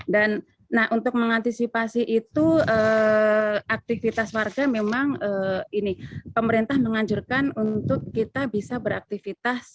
dan untuk mengantisipasi itu aktivitas warga memang ini pemerintah menganjurkan untuk kita bisa beraktivitas